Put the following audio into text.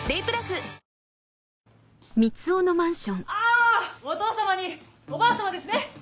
あお父様におばあ様ですね。